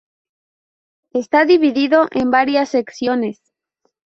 Está dividido en varias secciones.